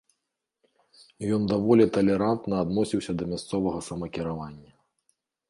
Ён даволі талерантна адносіўся да мясцовага самакіравання.